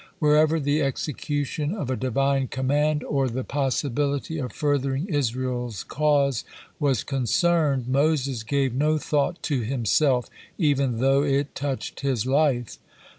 Wherever the execution of a Divine command, or the possibility of furthering Israel's cause was concerned, Moses gave no thought to himself, even though it touched his life.